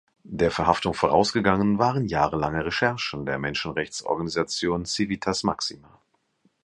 Der Verhaftung vorausgegangen waren jahrelange Recherchen der Menschenrechtsorganisation Civitas Maxima.